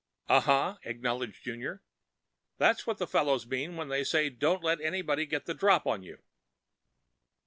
"Uh huh," acknowledged Junior. "That's what the fellows mean when they say don't let anybody get the drop on you."